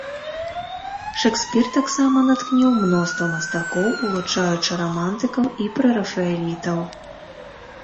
Шэкспір таксама натхніў мноства мастакоў, улучаючы рамантыкаў і прэрафаэлітаў.